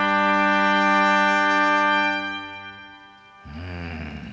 うん。